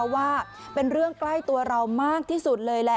ว่าเป็นเรื่องใกล้ตัวเรามากที่สุดเลยแหละ